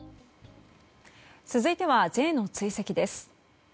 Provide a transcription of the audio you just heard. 続いてはＪの追跡です。